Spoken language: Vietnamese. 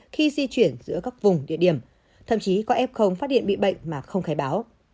khi di chuyển giữa các vùng địa điểm thậm chí có f phát hiện bị bệnh mà không khai báo